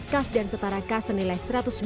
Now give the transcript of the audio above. kas dan setara kas senilai